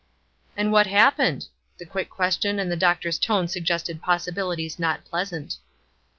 "And what happened?" The quick question and the doctor's tone suggested possibilities not pleasant.